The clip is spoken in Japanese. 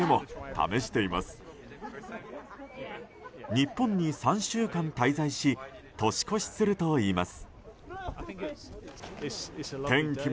日本に３週間滞在し年越しするといいます。